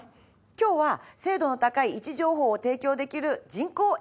今日は精度の高い位置情報を提供できる人工衛星です。